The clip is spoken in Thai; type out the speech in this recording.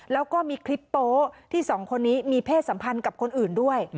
แล้วก็มีคลิปโป๊ที่สองคนนี้มีเพศสัมพันธ์กับคนอื่นด้วย